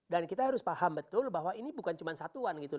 dan kita harus paham betul bahwa ini bukan cuma satuan gitu